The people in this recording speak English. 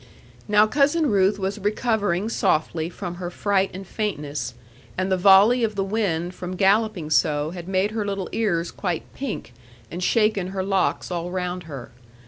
Now Cousin Ruth was recovering softly from her fright and faintness; and the volley of the wind from galloping so had made her little ears quite pink, and shaken her locks all round her.